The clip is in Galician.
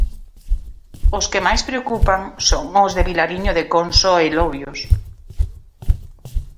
Os que máis preocupan son os de Vilariño de Conso e Lobios.